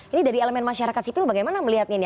ini dari elemen masyarakat sipil bagaimana melihatnya ini